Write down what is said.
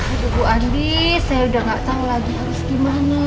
ibu andi saya udah gak tahu lagi harus gimana